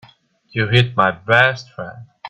You hit my best friend.